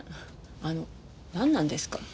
あのなんなんですか？